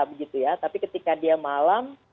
begitu ya tapi ketika dia malam